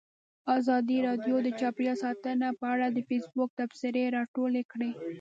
ازادي راډیو د چاپیریال ساتنه په اړه د فیسبوک تبصرې راټولې کړي.